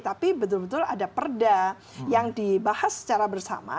tapi betul betul ada perda yang dibahas secara bersama